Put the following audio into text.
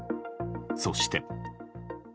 そして。